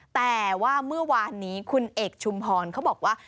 แต่ว่าเมื่อวานนี้คุณเอกชุมพรเขาบอกว่า